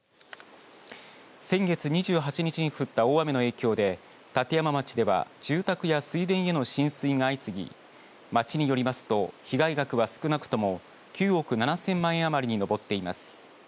先月２８日に降った大雨の影響で立山町では住宅や水田への浸水が相次ぎ町によりますと被害額は少なくとも９億７０００万円余りに上っています。